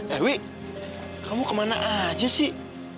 eh wik kamu kemana aja sih